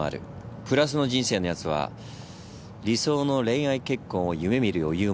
プラスの人生のやつは理想の恋愛結婚を夢見る余裕もある。